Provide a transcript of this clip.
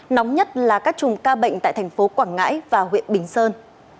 nóng nhất là các chùm ca bệnh tại thành phố quảng ngãi và huyện bình sơn